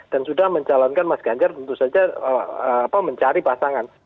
dan sudah mencalonkan mas ganjel tentu saja mencari pasangan